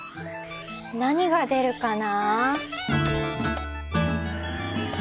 何が出るかな。